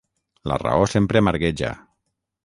La raó sempre amargueja.